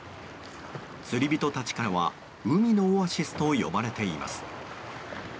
釣り人たちからは海のオアシスと呼ばれています。